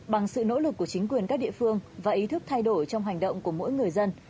bằng sự nỗ lực của chính quyền các địa phương và ý thức thay đổi trong hành động của mỗi người dân